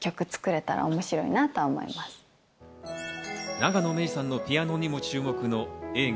永野芽郁さんのピアノにも注目の映画